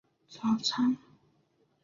喝咖啡当早餐